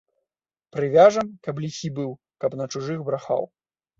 Прывяжам, каб ліхі быў, каб на чужых брахаў.